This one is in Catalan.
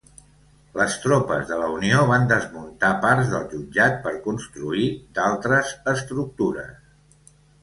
Les tropes de la Unió van desmuntar parts del jutjat per construir d'altres estructures.